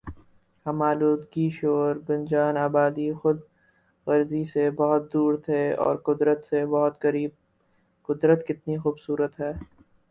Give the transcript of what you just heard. ہم آلودگی شور گنجان آبادی خود غرضی سے بہت دور تھے اور قدرت سے بہت قریب قدرت کتنی خوب صورت ہے